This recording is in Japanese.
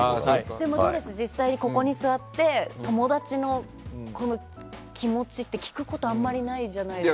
でも、実際ここに座って友達の気持ちって聞くことあんまりないじゃないですか。